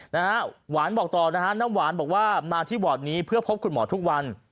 นะฮะหวานบอกต่อนะฮะน้ำหวานบอกว่ามาที่บอร์ดนี้เพื่อพบคุณหมอทุกวัน